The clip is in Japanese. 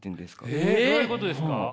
どういうことですか？